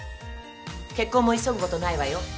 結婚も急ぐことないわよ。